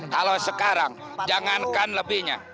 kalau sekarang jangankan lebihnya